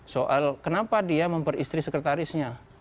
soal kenapa dia memperistri sekretarisnya